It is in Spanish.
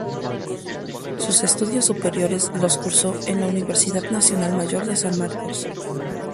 Sus estudios superiores los cursó en la Universidad Nacional Mayor de San Marcos.